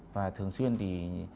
và thường xuyên thì